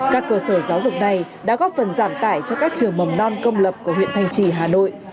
các cơ sở giáo dục này đã góp phần giảm tải cho các trường mầm non công lập của huyện thanh trì hà nội